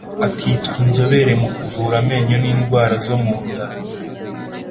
akitwa Inzobere mu kuvura amenyo n indwara zo munda